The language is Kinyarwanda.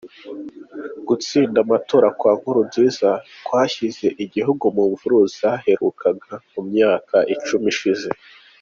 Gutsinda amatora kwa Nkurunziza kwashyize igihugu mu mvururu zaherukaga mu myaka icumi ishize.